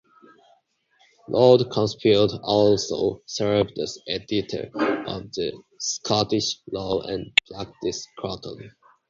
Lord Coulsfield also served as Editor of the Scottish Law and Practice Quarterly.